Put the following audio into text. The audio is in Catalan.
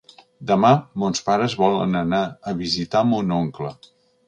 Demà mons pares volen anar a visitar mon oncle.